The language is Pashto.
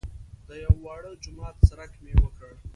د یوه واړه جومات څرک مې وکړ.